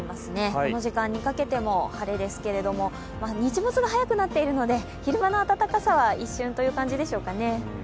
この時間にかけても晴れですけれども、日没が早くなっているので、昼間の暖かさは一瞬という感じでしょうかね。